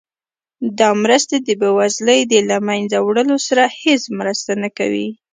دا مرستې د بیوزلۍ د له مینځه وړلو سره هیڅ مرسته نه کوي.